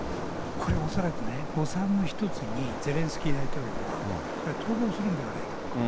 これは恐らくね、誤算の一つにゼレンスキー大統領は、これ、逃亡するんじゃないか。